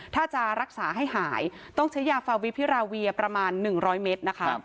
ถ้าจะรักษาให้หายต้องใช้ยาฟาวิพิราเวียประมาณ๑๐๐เมตรนะคะ